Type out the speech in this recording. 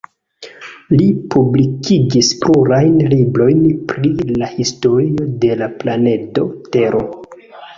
Li publikigis plurajn librojn pri la historio de la planedo Tero.